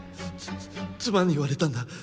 妻に言われたんだ。